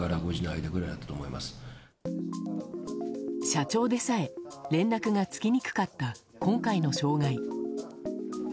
社長でさえ連絡がつきにくかった今回の障害。